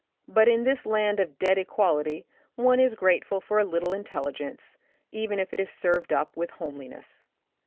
But in this land of dead equality one is grateful for a little intelli gence, even if it be served up with home liness).